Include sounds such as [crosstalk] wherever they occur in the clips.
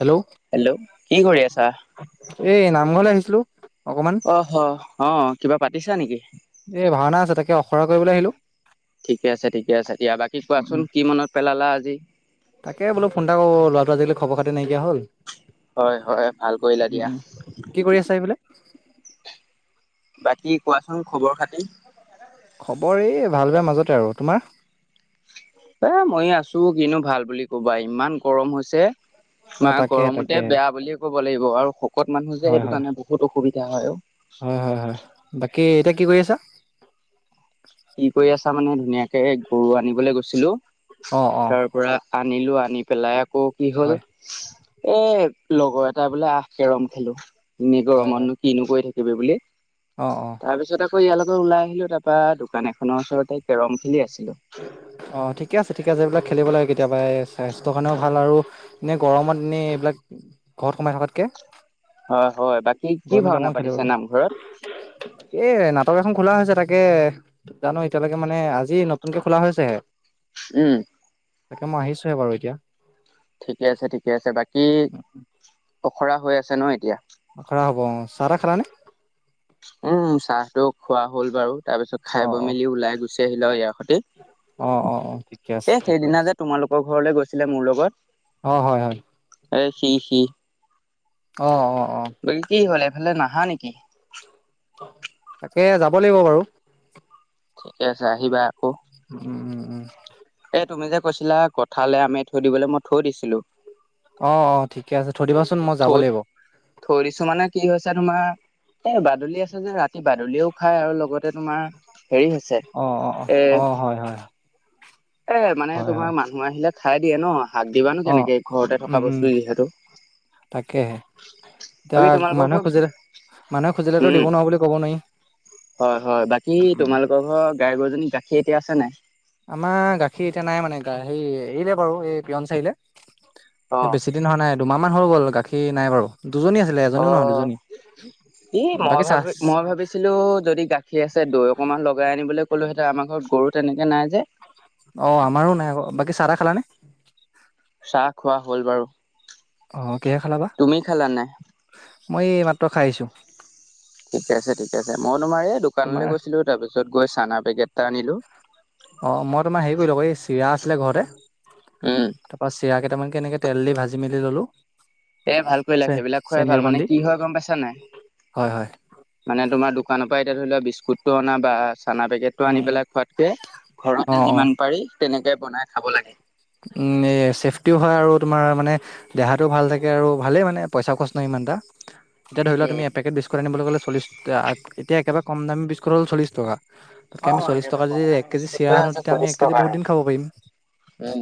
Hello hello কি কৰি আছা এই নামঘৰলৈ আহিছিলো অকমান অহ অ কিবা পাতিছা নেকি এ ভাওনা আছে তাকে অখৰা কৰিবলৈ আহিলো ঠিকে আছে ঠিকে আছে এতিয়া বাকী কোৱাচোন কি মনত পেলালা আজি তাক বোল ফোন এটা কৰো ল'ৰাটো আজিকাল খব খাতি নাইকিয়া হ'ল হয় হয় ভাল কৰিলা দিয়া। উম কি কৰি আছা এই বোলে বাকী কোৱাচোন খবৰ খাতিৰ খবৰ এই ভাল বেয়া মাজতে আৰু তোমাৰ এ ময়ো আছো কিনো ভাল বুলি কবা ইমান গৰম হৈছে অ ম তাকেহে গৰমতে তাকেহে বেয়া বুলিয়ে ক'ব লাগিব আৰু শকত মানুহ যে হয় এইটো হয় কাৰণে বহুত অসুবিধা দয়া হয় হয় হয় হয় বাকী এতিয়া কি কৰি আছা কি কৰি আছা মানে ধুনীয়াকে গৰু আনিবলৈ গৈছিলো অ অ তাৰ পৰা আনিলো আনি পেলাই আকৌ কি হ'ল হয় এ লগৰ এটা বোলে আহ কেৰম খেলো। এনে হয় গৰমত হয় নো কিনো কৰি থাকিবি বুলি অ অ। তাৰ পিছত আকৌ ইয়ালৈকে ওলাই আহিলো তাৰপৰা দোকান এখনৰ ওচৰতে কেৰম খেলি আছে অ ঠিকে আছে ঠিকে আছে এইবিলাক খেলিব লাগে কেতিয়াবা স্বাস্থ্য কাৰণেও ভাল আৰু এনেই গৰমত দিনত এনেই এইবিলাক ঘৰত সোমাই থকাতকে। হয় হয় বাকী কি গৈ মেলি ভাওনা অকনমান পাতিছে খেলিবলৈ। নামঘৰত এই নাটক এখন এখন খোলা হৈছে তাকে জানো এতিয়ালৈকে মানে। আজি নতুনকে খোলা হৈছেহে উম। তাকে মই আহিছোহে বাৰু এতিয়া। ঠিকে আছে ঠিকে আছে বাকী অখৰা হৈ আছে ন এতিয়া? আখৰা হ'ব অ চাহ তা খালা নে? উম চাহতো খোৱা হ'ল বাৰু। তাৰ পিছত খাই অ বৈ অ মেলি ওলাই গুচি আহিলো ইয়াৰ অ অ অ ঠিকে আছে এ ঠিকে সেইদিনা আছে যে তোমালোকৰ ঘৰলে গৈছিলে মোৰ লগত অ হয় হয়। এ সি সি। অহ অ। অ বাকী কি হ'ল এইফালে নাহা নেকি? তাকে যাব লাগিব বাৰু। ঠিকে আছে আহিবা আকৌ। উম উম উম। এ তুমি যে কৈছিলা কঠালে, আমে থৈ দিবলৈ মই থৈ দিছিলোঁ। অ অ ঠিকে আছে। থৈ দিবাচোন মই যাব থৈ লাগিব থৈদিছোঁ মানে কি হৈছে তোমাৰ এ বাদুলি আছে যে ৰাতি বাদুলিও খায় আৰু লগতে তোমাৰ হেৰি হৈছে অ অ অ এ অ হয় হয় এ মানে হয় হয় তোমাৰ মানুহ আহিলে খাই দিয়ে ন হাত দিবা নো অ কেনেকে ঘৰতে উম থকা উম বস্তু যিহেতু। তাকেহে। এতিয়া বাকী তোমালোকৰ মানুহে ঘৰত খুজিলে মানুহে খুজিলেতো উম দিব নোৱাৰো বুলি কব নোৱাৰি হয় হয় বাকী উম তোমালোকৰ ঘৰ গাই গৰুজনী গাখীৰ এতিয়া আছে নাই? আমাৰ গাখীৰ এতিয়া নাই মানে হেৰি এৰিলে বাৰু এই পিয়ন চাৰিলে। অ এ বেছি দিন হোৱা নাই দুমাহ মান হৈ গ'ল গাখীৰ নাই বাৰু। দুজনী আছিলে অ এজনীও নহয় দুজনী। ই মই বাকী ভাবি চাহ মই ভাবিছিলো যদি গাখীৰ আছে দৈ অকনমান লগাই আনিবলৈ ক'লো আমাৰ ঘৰত গৰু তেনেকে নাই যে অ আমাৰো নাই আকৌ বাকী চাহ তাহ খালানে? চাহ খোৱা হ'ল বাৰু। অ কিহে খালা বা? তুমি খালা নাই মই মাত্ৰ খাই আহিছো। ঠিকে আছে ঠিকে আছে। মই তোমাৰ এই তোমাৰ দোকানলৈ গৈছিলো তাৰপিছত গৈ চানা পেকেট এটা আনিলোঁ। অ মই তোমাৰ হেৰি কৰিলো এই চিৰা আছিলে ঘৰতে উম তাৰ পৰা চিৰা কেইটামান হেনেকে তেল দি ভাজি মেলি ললোঁ। এ ভাল কৰিলা। সেইবিলাক খোৱাই ভাল অকণ মানে দি কি হয় গম পাইছা নাই? হয় হয় মানে তোমাৰ দোকানৰ পৰা এতিয়া ধৰি লোৱা বিস্কুতটো অনা বা চানা পেকেট টো আনি পেলাই খোৱাতকে অ ঘৰতে অ যিমান পাৰি তেনেকে বনাই খাব লাগে উম এ চেফটিও হয় আৰু তোমাৰ মানে দেহাটোও ভাল থাকে আৰু ভালেই মানে পইচা খৰছ নহয় ইমান। [unintelligible] এতিয়া ধৰি লোৱা তুমি উম এপেকেট আনিব গ'লে চলিছ টকা। এতিয়া একেবাৰে কম দাম বিস্কুট হ'ল চলিছ টকা তাতকে অ আমি চল্লিছ এতিয়াতো টকা কম যদি এক দামী কেজি বিস্কুট চিৰা আনো। আছে তেতিয়া আমি চল্লিশ এক কেজি টকা বহুত আৰু দিন খাব পাৰিম। উম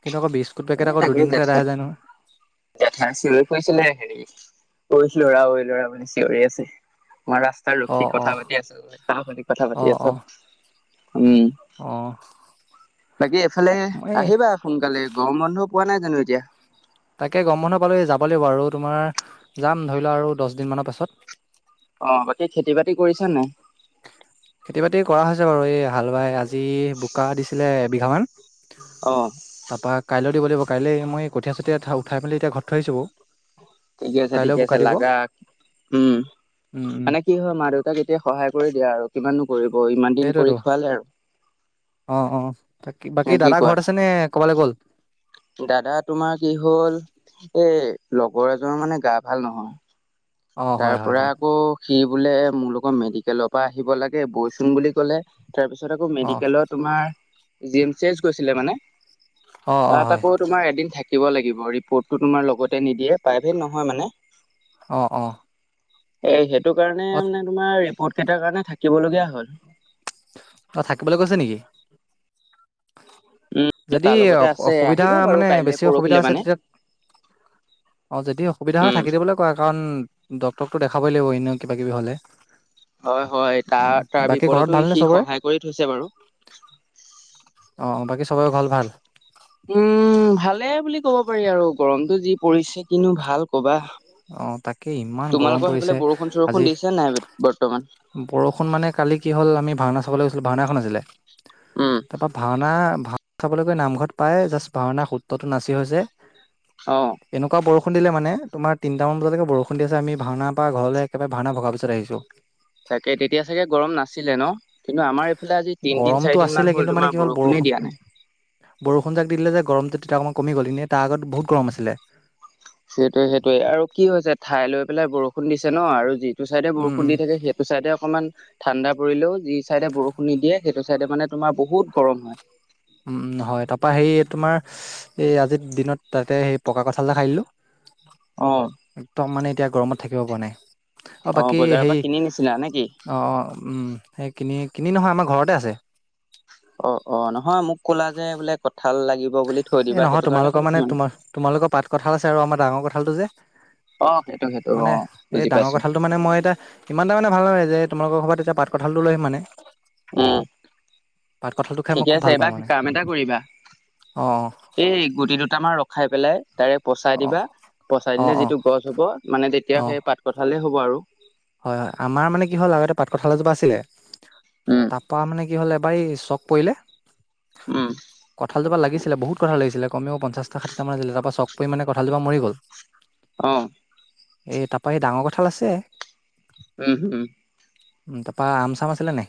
কিন্তু আকৌ বিস্কুট অ পেকেট আকৌ ঠাকৰে দুদিনতে এদাই দেখছ হৈ যায় নহয় [unintelligible] চিঞৰি ফুৰিছিলে হেৰি লৰা ঐ লৰা ঐ চিঞৰি আছে [unintelligible] আমই ৰাস্তা অ ৰখী অ কথা পাতি আছো সাহসলিক কথা অ পাতি অ আছ উম [unintelligible] [inaudible] বাকী এফালে এই আহিবা সোনকালে গৰম বন্ধও পোৱা নাই জানো এতিয়া তাকে গম বন্ধ পালো এই যাব লাগিব আৰু তোমাৰ যাম ধৰি লোৱা আৰু দহ দিন মানৰ পাছত [unintelligible] অ বাকী খেতি বাতি কৰিছা নে নাই [unintelligible] খেতি বাতি কৰা হৈছে বাৰু এই হাল বাই আজি বোকা দিছিলে এবিঘামান অ তাৰপা কাইলৈ দিব লাগিব কাইলৈ মই কঠিয়া চঠিয়া উঠাই মেলি এতিয়া ঘৰত থৈ আহিছো বাৰৌ [unintelligible] ঠিকে আছে ঠিকে আছে লাগা উম উম উম মানে কি হয় মা দেউতাক এতিয়া সহায় কৰি দিয়া আৰু কিমান [unintelligible] কৰিব ইমান দিন কৰি সেইটোৱেতো খোৱালে আৰু অঁ অঁ বাকী নে বাকী কি দাদাৰ কোৱা? ঘৰত আছে নে ক'বালৈ গ'ল [unintelligible] দাদা তোমাৰ কি হ'ল এই লগৰ এজন মানে গা ভাল নহয় অঁ তাৰ হয় হয় পৰা হয় আকৌ সি বোলে মোৰ লগত মেডিকেলৰ পৰা আহিব লাগে বৈচোন বুলি কলে তাৰপিছত আকৌ অঁ মেডিকেলৰ তোমাৰ জি এম চি এচ গৈছিলে মানে [unintelligible] অঁ ত অঁ এটা হয় আকৌ তোমাৰ এদিন থাকে [unintelligible] দ লাগিব ৰ্টো তমাৰ লগতে নিদিয়ে প্ৰ নহয় মানে [unintelligible] অ অ এ সেইটো কাৰণে মানে তোমাৰ ৰিপট কেইটাৰ কাৰণে থাকিব লগীয়া হ'ল [unintelligible] তই থাকিবলৈ কৈছে নেকি [unintelligible] উম যদি তাৰ লগতে অ আছে অসুবিধা আহিব বাৰু মানে কাইলে বেছি অসুবিধা পৰহিলে আছে মানে তেতিয়া অ যদি অসুবিধা হয় উম থাকি দিবলৈ কোৱা কাৰণ [unintelligible] ডক্টৰকটো দেখাবই লাগিব এনেও কিবা কিবি হলে [unintelligible] হয় হয় উম, তাৰ তাৰ বাকী ঘৰত বিপদতো ভালনে সি চবৰে? সহায় কৰি থৈছে বাৰু অ বাকী সবে ঘৰত ভাল [unintelligible] উম ভালে বুলি ক'ব পাৰি আৰু গৰমটো যি পৰিছে কিনো ভাল কবা আহ তাকে ইমান গৰম তোমালোকৰ সেইফালে পৰিছে বৰষুণ চৰষুণ আজি দিছে নাই বৰ্তমান বৰষুণ মানে কালি কি হ'ল আমি ভাওনা গৈছিলো ভাওনা এখন আছিলে উম তাপা ভাওনা [unintelligible] ভা খাবলৈ গৈ নামঘৰত প্ৰায় জাষ্ট ভাওনাৰ সূত্ৰটো নাচি হৈছে অ এনেকুৱা বৰষুণ [unintelligible] বৰষুণ দিলে মানে তোমাৰ তিনটা মান বজলেকে বৰষুণ দি আছে আমি ভাওনাৰ পৰা ঘৰলৈ একেবাৰে ভাওনা ভগাৰ পিছত আহিছো [unintelligible] তাকে তেতিয়া চাগে গৰম নাছিলে ন কিন্তু আমাৰ এইফালে আজি তিনদিন চাৰি দিন মান হ'ল তোমাৰ বৰষুণ বৰু বৰষুণ যাক দি দিলে যে গৰমটো [unintelligible] কমি গ'ল নে তাৰ আগত বহুত গৰম আছিলে সেইটোয়ে সেইটোয়ে আৰু কি হৈছে ঠাই লৈ পেলাই বৰষুণ দিছে ন আৰু যি সেটো চাইডে উম, উম, বৰষুণ দি থাকে সেইটো চাইডে অকণমান ঠাণ্ডা পৰিলেও যি চাইডে বৰষুণ নিদিয়ে [unintelligible] সেইটো চাইডে মানে তোমাৰ বহুত গৰম হয় [unintelligible] উম হয় তাৰপা সেই তোমাৰ এই আজিৰ দিনত তাতে সেই পকা কঠাল এটা খাইদিলো অ [unintelligible] একদম মানে এতিয়া গৰমত থাকিব পৰা নাই অ বাকী বজাৰৰ পৰা হেই কিনি নিছিলা নে কি? অ অ উম সেইখিনি কিনি নহয় আমাৰ ঘৰতে আছে অ অ নহয় মোক ক'লা যে বোলে কঁঠাল লাগিব বুলি থৈ এ দিবা নহয় সেইটো কাৰণে তোমালোকৰ সুধিছো মানে তোমাৰ তোমালোকৰ পাত কঠাল আছে আৰু আমাৰ ডাঙৰ কঠালটো যে অ সেইটো সেইটো অ মানে এই বুজি ডাঙৰ পাইছো কথালটো মানে মই এতিয়া ইমান টা মানে ভাল নে যে তোমালোকৰ কবাত [unintelligible] পাত কঠালটো লৈ আহিব মানে [unintelligible] উম পাত কঁঠালটো খাই মই ঠিকে খুব আছে ভাল পাওঁ এইবাৰ মানে কাম এটা কৰিবা [unintelligible] অ এই গুটি দুটূ আামাৰ ৰখাই পেলাই [inaudible] [unintelligible] তাৰে পচাই অ দিবা পচাই অ অ দিলে অ যিটো গছ হ'ব মানে তেতিয়া সেই পাত কঠালেই হ'ব আৰু [unintelligible] [unintelligible] হয়-হয় আমাৰ মানে কি হয় আগতে পাত কঠাল এজোপা আছিলে উম তাৰ পৰা মানে [unintelligible] [unintelligible] কি হল এবাৰ চক পৰিলে উম কঠাল জোপাত লাগিছিলে বহুত কথা লাগিছিলে [unintelligible] [unintelligible] কমেও পঞ্চাটা ষাঠিটামান দিলে তাৰপা চখ পৰি মানে কঠাল জোপা মৰি গ'ল [unintelligible] আহ [unintelligible] [unintelligible] এ তাৰপৰা এই ডাঙৰ কঠাল আছে [unintelligible] উম হম [unintelligible] [unintelligible] তাৰপা আম-চাম আছিলে নে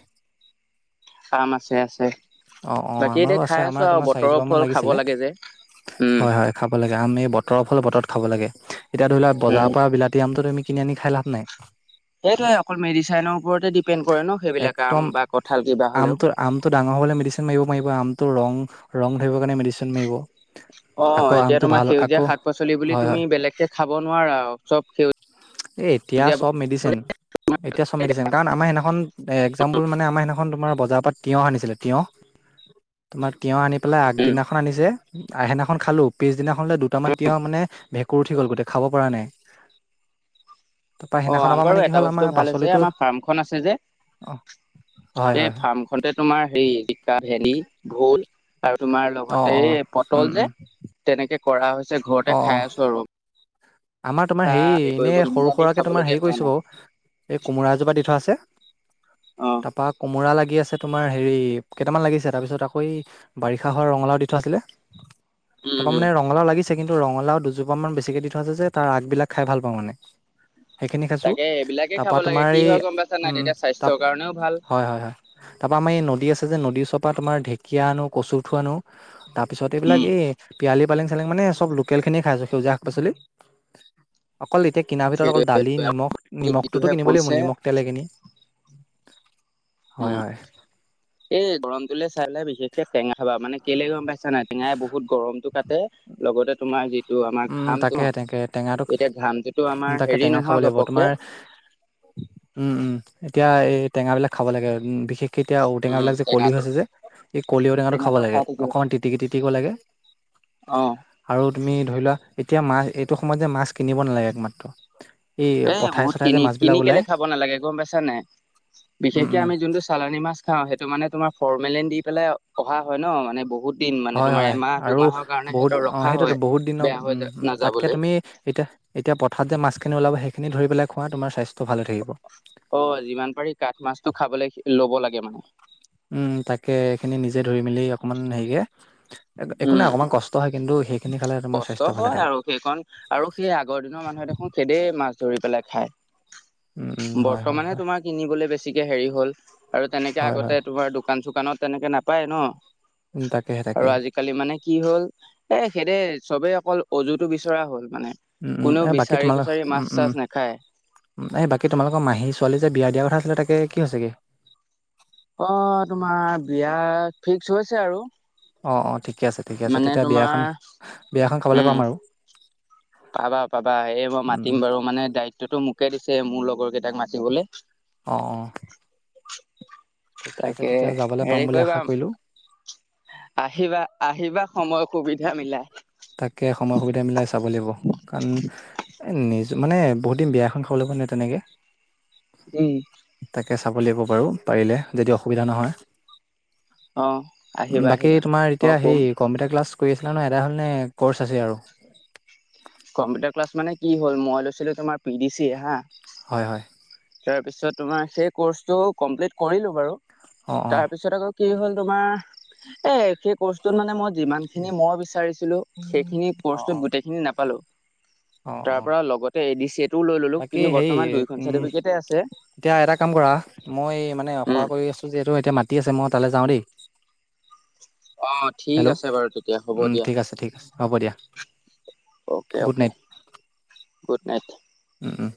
কাম আছে [unintelligible] আছে [unintelligible] অ-অ বাকী আমাৰো এতিয়া আছে খাই আছো আমাৰ আৰু তোমাৰ বতৰৰ চাৰিজোপা মান ফল খাব লাগিছিলে লাগে যে [unintelligible] [unintelligible] উম হয়-হয় খাব লাগে আমি ব [unintelligible] [unintelligible] বতৰৰ ফল বতৰত খাব লাগে এতিয়া ধৰি লোৱা বজাৰৰ উম পৰা বিলাতি আমটোতো আমি কিনি আনি খাই লাভ নাই [unintelligible] [unintelligible] সেইটোৱেই অকল মেডিচাইনৰ ওপৰতে ডিপেণ্ড কৰে ন সেইবিলাক কাম বা কঁঠাল কিবা হলেও [unintelligible] [unintelligible] লে মেডিচিন মাৰিব পাৰিব আমটো ৰং ধৰিব কাৰণে মেডিচিন মাৰিব [unintelligible] [unintelligible] অ আকৌ এতিয়া আমটো তোমাৰ ভাল সেউজীয়া আকৌ শাক-পাচলি বুলি হয়, তুমি হয় বেলেগকে খাব নোৱাৰা চব সেউ [unintelligible] [unintelligible] এ এতিয়া চব মেডিচিন এতিয়া চব মেডিচন কাৰণ আমাৰ সেইদিনাখন এ এক্জাম্পল মানে আমাৰ সেনাখন [unintelligible] [unintelligible] খন তোমাৰ বজাৰৰ পৰা তিঁয়হ আনিছিলে তিঁয়হ তোমাৰ [unintelligible] [unintelligible] তিঁয়হ আনি পেলাই উম আগদিনাখন আনিছে আহদিনাখন খালোঁ পিছদিনাখন দুটামান তিঁয়হ মানে [inaudible] [unintelligible] ভেঁকুৰ উঠি গ'ল গোটেই খাব পৰা নাই [inaudible] [unintelligible] অ আমাৰ পৰা বাৰু মানে কি এটা হ'ল আমাৰ বস্তু ভাল হৈছে পাচলিটো আমাৰ ফাৰ্মখন আছে যে অ [inaudible] হয় [unintelligible] এই হয় হয় ফাৰ্মখনতে তোমাৰ হেৰি জিকা, ভেনী, ভোল [unintelligible] [unintelligible] আৰু তোমাৰ অ লগতে অ এই উম পটল উম যে তেনেকে কৰা হৈছে অ ঘৰতে অ খাই আছো আৰু [inaudible] [unintelligible] আমাৰ তোমাৰ হেৰি কৰিব এনেই কিনি সৰু আনি সুৰাকে তোমাৰ হেৰি খাবলগীয়া হোৱা কৰিছো নাই বাৰু [inaudible] [unintelligible] এই কোমোৰা এজোপা দি থোৱা আছে অ তাৰাপা কোমোৰা লাগি [inaudible] [unintelligible] আছে তোমাৰ হেৰি কেইটামান লাগিছে তাৰপিছত আকৌ এই বাৰিষা হয় ৰঙালাও দি থোৱা আছিলে [inaudible] [unintelligible] তাৰ উম পৰা উম মানে ৰঙালাও লাগিছে কিন্তু ৰঙালাও দুজোপা মান বেছিকে দি থোৱা আছে যে [unintelligible] [unintelligible] তাৰ আগবিলাক খাই ভাল পাওঁ মানে [unintelligible] [unintelligible] সেইখিনি খাইছো তাকে এইবিলাকে তাৰপা খাব লাগে তোমাৰ কি এই হয় গম পাইছা নাই উম তেতিয়া তাত স্বাস্থ্যৰ কাৰণেও ভাল। হয়-হয়-হয় [inaudible] [unintelligible] তাৰপৰা আমাৰ এই নদী আছে [inaudible] [unintelligible] আছে যে নদীৰ ওচৰৰ পৰা তোমাৰ ঢেকিয়া আনো, কচু আনো তাৰ পিছত এইবিলাক উম। এই [unintelligible] [unintelligible] পিয়ালি পালেং-চালেং মানে চব লোকেলখিনিয়ে খাইছোঁ সেউজীয়া শাক-পাচলি [inaudible] [unintelligible] অকল এতিয়া কিনাৰ ভিতৰত অকল দালি সেইটোৱে আৰু নিমখ নিমখটোতো যিটোহে কিনিব লাগিব পৰিছে নিমখ তেলে কিনো [unintelligible] [unintelligible] উম এই গৰম তুলে [unintelligible] [unintelligible] চাই বিশেষকে টেঙা খাবা মানে কেলে গৰম পাইছা নাই টেঙাই বহুত গৰমটো কাটে লগতে তোমাৰ যি [inaudible] [unintelligible] তটো আমাৰ উম ঘামটো তাকে তাকে টেঙাটো ন এতিয়া ঘামটোতো আমাৰ হেৰি নহয় ঘপককে [unintelligible] [unintelligible] উম-উম এতিয়া এই টেঙা বিলাক খাব লাগে বিশেষ [inaudible] [unintelligible] কেতিয়া উম ঔটেঙাবিলাক যে কলি টেঙাটো হৈছে যে এই কলি ঔটেঙাটো খাব টেঙাটো লাগে অকনমান তিতিকি-তিতিকি লাগে [inaudible] আহঁ [unintelligible] [unintelligible] তুমি ধৰি লোৱা এতিয়া মাছ এইটো সময়ত যে মাছ কিনিব নালাগে একমাত্ৰ [unintelligible] [unintelligible] এ পথাৰে বহুত চথাৰে যে মাছবিলাক কিনি-কিনি কেলে ওলাই খাব নালাগে গম পাইছা নাই [unintelligible] [unintelligible] উম বিশেষকে উম আমি যোনটো চালানী মাছ খাওঁ সেইটো মানে তোমাৰ [inaudible] [unintelligible] ফৰ্মেল দি পেলাই অহা হয় ন মানে বহুত [unintelligible] [unintelligible] তোমাৰ হয়-হয় এমাহ আৰু দুমাহৰ কাৰণে বহুত সিহঁতৰ অ ৰখা সেইটোতো হয় বহুত দিনৰ বেয়া হৈ যা- উম তাতকে নাযাবলৈ তুমি এতিয়া [unintelligible] [unintelligible] এতিয়া পথাৰত মাছখিনি ওলাব সেইখিনি ধৰি পেলাই খোৱা তোমাৰ স্বাস্থ্য [unintelligible] [inaudible] অ যিমান পাৰি কাঠ মাছটো খাবলৈ ল'ব লাগে মানে [unintelligible] [unintelligible] উম তাকে এইখিনি নিজে ধৰি মেলি অকনমান হেৰিকে [unintelligible] [unintelligible] একো উম নাই অকণমান কষ্ট হয় কিন্তু সেইখিনি খালে তোমাৰ কষ্ট স্বাস্থ্য ভালে হয় থাকে আৰু সেইকণ আৰু সেই আগৰ [unintelligible] [unintelligible] দেখোন খেদ মাছ ধৰি পেলাই খায় [unintelligible] উম [unintelligible] [unintelligible] হয় বৰ্তমানে হয় তোমাৰ কিনিবলে বেছিকে হেৰি হ'ল আৰু তেনেকে হয় হয় আগতে তোমাৰ দোকান-চোকান [inaudible] দোকানত তেনেকে নাপায় ন উম তাকেহে আৰু তাকেহে আজিকালি মানে কি হ'ল এ সেইদ চবেই অকল অজুতটো বিচৰা হ'ল মানে। উম উম কোনেও এ বাকী বিচাৰি তোমাল কুচাৰি উম মাছ উম চাছ নাখায়। এই বাকী তোমালোকৰ মাহী ছোৱালী যে বিয়া দিয়া কথা আছিলে তাকে কি হৈছে কি অ তোমাৰ বিয়া ফিক্স হৈছে আৰু অঁ অঁ ঠিকে আছে ঠিকে আছে মানে তেতিয়া তোমাৰ বিয়াখন বিয়াখন খাবলৈ উম পাম আৰু পাবা পাবা এই মই উম মাতিম উম বাৰু মানে দায়িত্বতটো মোকে দিছে মোৰ লগৰ কেইটাক মাতিবলৈ অ অ [inaudible] ঠিকে আছে তাকে তেতিয়া যাবলৈ পাম হেৰি বুলি কৰিবা আশা কৰিলো আহিবা আহিবা সময় সুবিধা মিলাই তাকে সময় সুবিধা মিলাই চাব লাগিব কাৰণ নিজ মানে বহুত দিন বিয়া এখন খাব লাগব নে তেনেকে উম তাকে চাব লাগিব পাৰোঁ পাৰিলে যদি অসুবিধা নহয় অ আহিবা বাকী আহিবা তোমাৰ মই এতিয়া কম হেই কম্পিউটাৰ ক্লাছ কৰি আছে ন নহয় এটা হ'ল নে কৰ্চ আছে আৰু কম্পিউটাৰ ক্লাছ মানে কি হ'ল মই লৈছিলো তোমাৰ পি ডি চি হা হয় হয় তাৰ পিছত তোমাৰ সেই কৰ্চটো কমপ্লিট কৰিলো বাৰু অ অ তাৰপিছত আকৌ কি হ'ল তোমাৰ এ সেই কৰ্চটোত মানে মই যিমান খিনি মই বিচাৰিছো সেইখিনি অ অ কচটোত গোটেই খিনি নাপালো অ অ তাৰপৰা লগতে এ ডি চি এটোও লৈ ললো বাকী কিন্তু সেই বৰ্তমান দুইখন উম চাৰ্টিফিকেটে আছে এতিয়া এটা কাম কৰা মই মানেসোৱা উম কৰি আছো যে এতিয়া মাতি আছে মই তালৈ যাওঁ দেই অ ঠিক হেল্ল' আছে বাৰু তেতিয়া হ'ব উম দিয়া ঠিক আছে ঠিক আছে হ'ব দিয়া okay good okay night good night উম অ